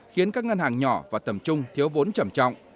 khiến các ngân hàng nhỏ và tầm trung thiếu vốn trầm trọng